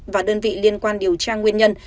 và đơn vị liên quan điều tra nguyên nhân